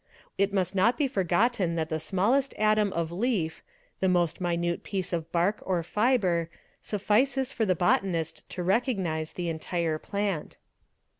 It must not be forgotten that the smallest atom of leaf, the most minute piece of bark or fibre, suffices for the botanist to recog _nise the entire plant.